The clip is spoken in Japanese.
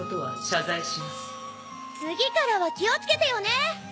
次からは気を付けてよね。